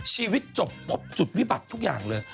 ชีวิตจบพบจุดวิบัติทุกอย่างเลย